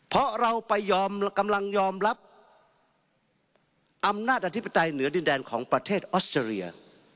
เพราะเราไปยอมกำลังยอมรับอำนาจอธิปไตยเหนือดินแดนของประเทศออสเตรเลีย